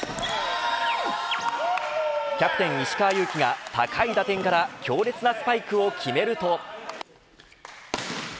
キャプテン石川祐希が高い打点から強烈なスパイクを決めると。